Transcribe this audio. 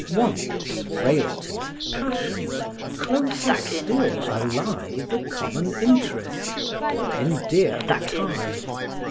Wants, frailties, passions, closer still ally The common interest, or endear the tie.